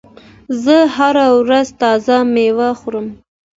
زه هره ورځ تازه مېوه خورم.